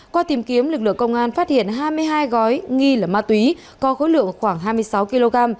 qua tìm kiếm lực lượng công an phát hiện hai mươi hai gói nghi là ma túy có khối lượng khoảng hai mươi sáu kg